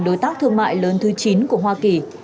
đối tác thương mại lớn thứ chín của hoa kỳ